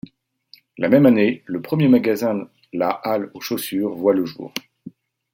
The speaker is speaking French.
La même année, le premier magasin La Halle aux chaussures voit le jour.